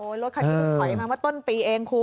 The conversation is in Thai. โอ้โหรถขัดยืนไหวมาต้นปีเองครู